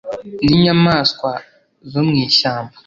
n’inyamanswa zo mu ishyamba